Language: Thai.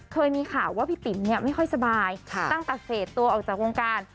เคยมีข่าวว่าพี่ติ๋มไม่ค่อยสบายตั้งแต่เสพตัวออกจากวงการ